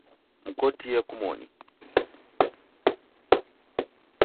Mkotie kumoni.